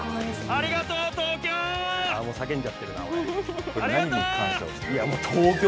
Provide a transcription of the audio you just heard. ありがとう、東京。